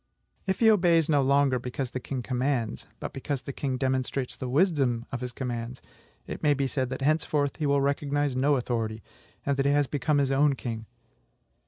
If he obeys no longer because the king commands, but because the king demonstrates the wisdom of his commands, it may be said that henceforth he will recognize no authority, and that he has become his own king.